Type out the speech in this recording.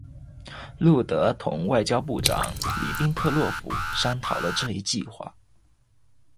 路德同外交部长里宾特洛甫商讨了这一计划。